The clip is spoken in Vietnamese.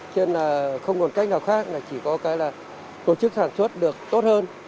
thế nên là không còn cách nào khác chỉ có cái là tổ chức sản xuất được tốt hơn